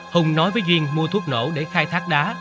hùng nói với duyên mua thuốc nổ để khai thác đá